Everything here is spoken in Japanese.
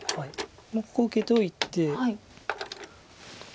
ここを受けておいて。